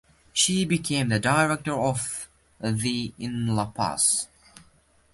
She became the director of the in La Paz.